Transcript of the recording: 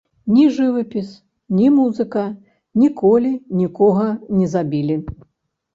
Ні жывапіс, ні музыка, ніколі нікога не забілі.